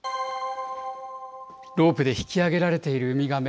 ロープで引き上げられているウミガメ。